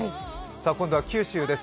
今度は九州です。